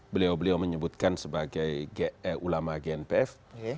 beliau beliau menyebutkan sebagai ulama gnpf